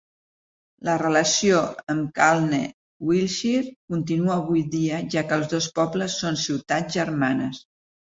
La relació amb Calne, Wiltshire, continua avui dia, ja que els dos pobles són ciutats germanes.